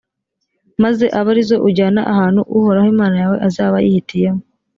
maze abe ari zo ujyana ahantu uhoraho imana yawe azaba yihitiyemo.